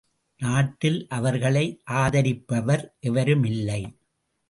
நாட்டில் அவர்களை ஆதரிப்பவர் எவருமில்லை.